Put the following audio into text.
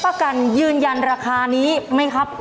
ประกันยืนยันราคานี้ไหมครับ